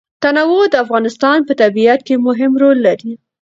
تنوع د افغانستان په طبیعت کې مهم رول لري.